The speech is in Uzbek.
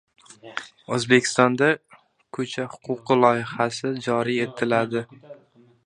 O‘zbekistonda «Ko‘cha huquqi» loyihasi joriy etiladi